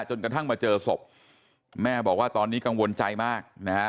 จนกระทั่งมาเจอศพแม่บอกว่าตอนนี้กังวลใจมากนะฮะ